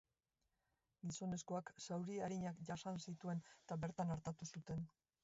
Gizonezkoak zauri arinak jasan zituen, eta bertan artatu zuten.